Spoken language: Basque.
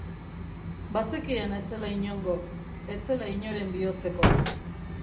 Bazekien ez zela inongo, ez zela inoren bihotzeko.